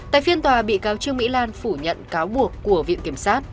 tại phiên tòa bị cáo trương mỹ lan phủ nhận cáo buộc của viện kiểm sát